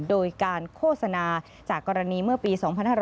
โดยการโฆษณาจากกรณีเมื่อปี๒๕๕๙